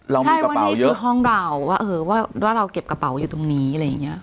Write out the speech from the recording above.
เรามีกระเป๋าเยอะคือห้องเราว่าเออว่าเราเก็บกระเป๋าอยู่ตรงนี้อะไรอย่างเงี้ย